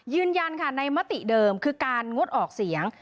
ยืนยันค่ะในมติเดิมคือการงดออกเสียง